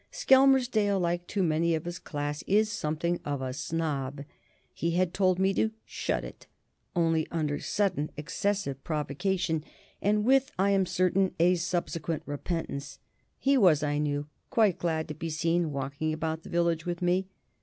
Skelmersdale, like too many of his class, is something of a snob; he had told me to "shut it," only under sudden, excessive provocation, and with, I am certain, a subsequent repentance; he was, I knew, quite glad to be seen walking about the village with me.